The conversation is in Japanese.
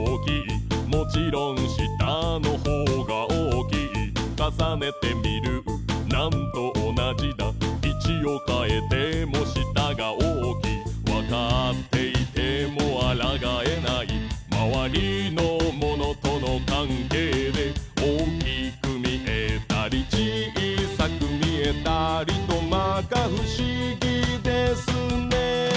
もちろん下のほうが大きい重ねて見るなんと同じだ位置を変えても下が大きい分かっていてもあらがえない周りのものとの関係で大きく見えたり小さく見えたりとまか不思議ですね